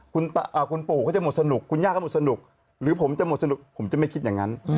คุณปู่เขาจะหมดสนุกคุณย่าก็หมดสนุกหรือผมจะหมดสนุกผมจะไม่คิดอย่างนั้น